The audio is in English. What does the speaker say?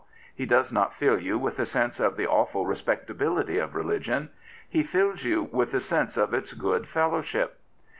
He does not fill you with the sense of the awmPrespectability of religion. He fills you with the sense of its good fellowship.